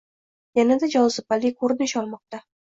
yanada «jozibali» ko‘rinish olmoqda.